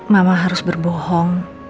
mama harus berbohong